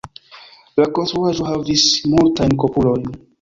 La konstruaĵo havis multajn kupolojn.